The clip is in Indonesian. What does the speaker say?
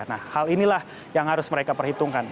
nah hal inilah yang harus mereka perhitungkan